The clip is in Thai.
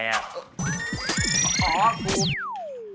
อ๋อกู